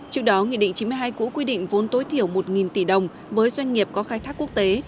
trước đó nghị định chín mươi hai cũ quy định vốn tối thiểu một tỷ đồng với doanh nghiệp có khai thác quốc tế